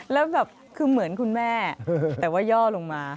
แล้วแบบคือเหมือนคุณแม่แต่ว่าย่อลงมา